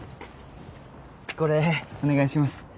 これお願いします。